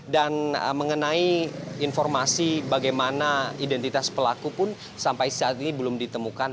dan mengenai informasi bagaimana identitas pelaku pun sampai saat ini belum ditemukan